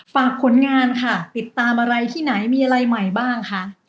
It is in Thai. ฝากผลงานค่ะติดตามอะไรที่ไหนมีอะไรใหม่บ้างคะ